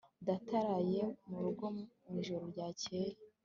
data yaraye mu rugo mu ijoro ryakeye